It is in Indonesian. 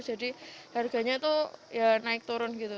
jadi harganya tuh ya naik turun gitu